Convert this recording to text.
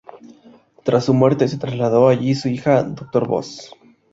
Tras su muerte, se trasladó allí su hija, Dr. Voss.